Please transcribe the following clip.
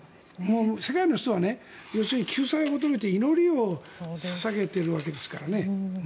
世界の人は要するに救済を求めて祈りを捧げているわけですからね。